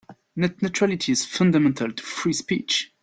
Net neutrality is fundamental to free speech.